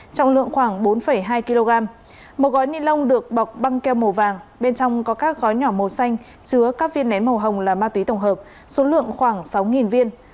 trọng lượng khoảng bốn hai kg một gói ni lông được bọc băng keo màu vàng bên trong có các gói nhỏ màu xanh chứa các viên nén màu hồng là ma túy tổng hợp số lượng khoảng sáu viên